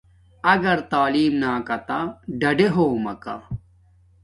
اگر تعلیم ناکاتا ڈاڈے ہومکہ